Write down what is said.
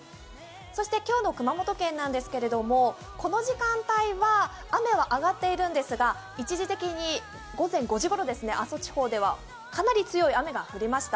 そして今日の熊本県なんですけれども、この時間帯は雨は上がっているんですが、一時的に午前５時ごろ阿蘇地方ではかなり強い雨が降りました。